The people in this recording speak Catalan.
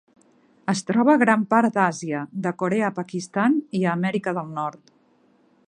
Es troba a gran part d'Àsia, de Corea a Pakistan i a Amèrica del Nord.